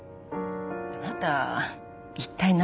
あなた一体何なの？